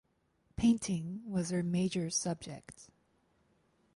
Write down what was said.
Painting was her major subject.